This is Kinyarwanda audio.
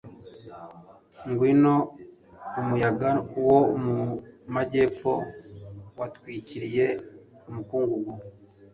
ngwino, umuyaga wo mu majyepfo watwikiriye umukungugu